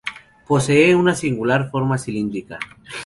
Posee una singular forma cilíndrica.